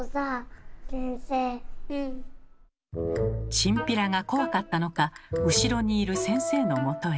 チンピラが怖かったのか後ろにいる先生のもとへ。